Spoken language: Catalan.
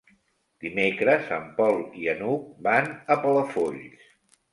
Dimecres en Pol i n'Hug van a Palafolls.